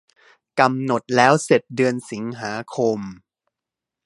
กำหนดแล้วเสร็จเดือนสิงหาคม